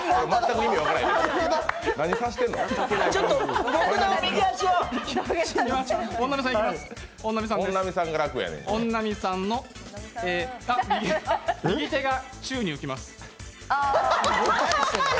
僕の右足を本並さんは右手が宙に浮きます。